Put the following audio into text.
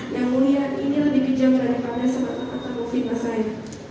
yang mulia ini lebih bijak daripada sebuah ketakut fitnah saya